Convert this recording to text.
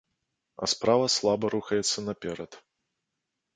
А справа слаба рухаецца наперад.